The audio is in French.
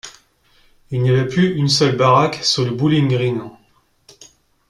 Il n’y avait plus une seule baraque sur le bowling-green.